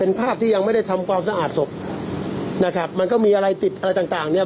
เป็นภาพที่ยังไม่ได้ทำความสะอาดศพนะครับมันก็มีอะไรติดอะไรต่างต่างเนี้ย